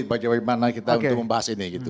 pak jawaimana kita untuk membahas ini gitu